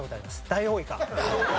ダイオウイカ。